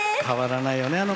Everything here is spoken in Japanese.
変わらないよね